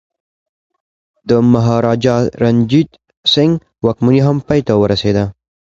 د مهاراجا رنجیت سنګ واکمني هم پای ته ورسیده.